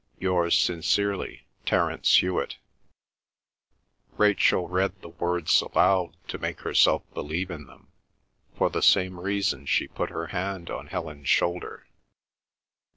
—Yours sincerely, TERENCE HEWET Rachel read the words aloud to make herself believe in them. For the same reason she put her hand on Helen's shoulder.